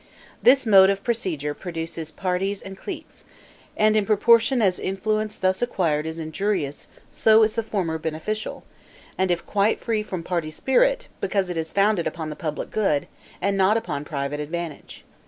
This mode of procedure produces parties and cliques; and in proportion as influence thus acquired is injurious, so is the former beneficial, if quite free from party spirit; because it is founded upon the public good, and not upon private advantage.